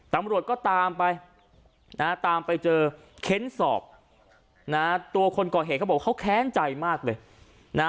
ตำรวจก็ตามไปนะฮะตามไปเจอเค้นสอบนะตัวคนก่อเหตุเขาบอกเขาแค้นใจมากเลยนะ